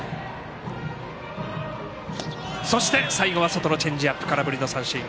最後は外のチェンジアップ空振り三振。